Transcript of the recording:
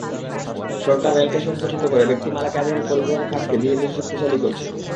সরকার রেলকে সংকুচিত করে ব্যক্তিমালিকানাধীন পরিবহন খাতকে ধীরে ধীরে শক্তিশালী করছে।